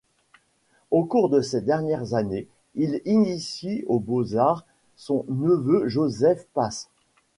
Au cours de ses dernières années il initie aux beaux-arts son neveu Joseph Pace'.